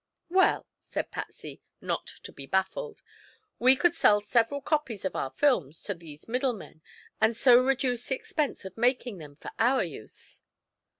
"Well," said Patsy, not to be baffled, "we could sell several copies of our films to these middlemen, and so reduce the expense of making them for our use."